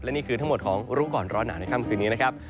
นี่คือทั้งหมดของรู้ก่อนร้อนหนาวในค่ำคืนนี้นะครับ